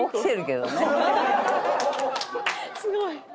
すごい。